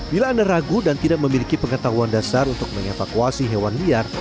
bila anda ragu dan tidak memiliki pengetahuan dasar untuk mengevakuasi hewan liar